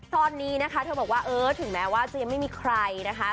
ตอนนี้นะคะเธอบอกว่าเออถึงแม้ว่าจะยังไม่มีใครนะคะ